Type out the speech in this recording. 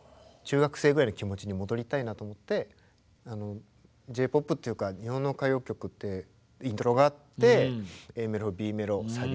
中学生ぐらいの気持ちに戻りたいなと思ってＪ−ＰＯＰっていうか日本の歌謡曲ってイントロがあってＡメロＢメロサビ